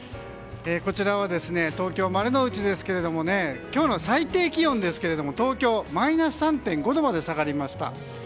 こちらは東京・丸の内ですが今日の最低気温ですが東京、マイナス３．５度まで下がりました。